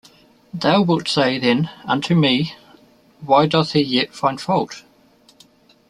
Thou wilt say then unto me, Why doth He yet find fault?